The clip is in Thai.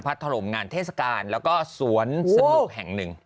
ถล่มงานเทศกาลแล้วก็สวนสนุกแห่งหนึ่ง